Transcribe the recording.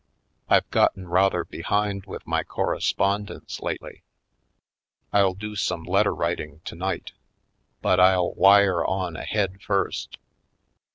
I've gotten rather behind with my corres pondence lately; I'll do some letter writing tonight. But I'll wire on ahead first.